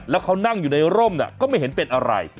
แล้วเขานั่งอยู่ในร่มก็ไม่เห็นเป็นอะไร